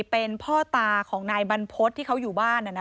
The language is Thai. เป็นพ่อตาของนายบรรพฤษที่เขาอยู่บ้าน